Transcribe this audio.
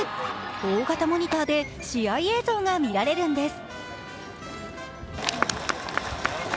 大型モニターて試合映像が見られるんです。